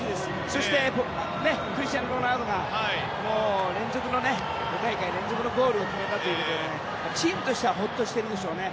そしてクリスティアーノ・ロナウドが５大会連続のゴールを決めたということでチームとしてはほっとしてるでしょうね。